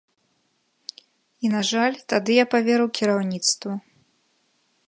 І, на жаль, тады я паверыў кіраўніцтву.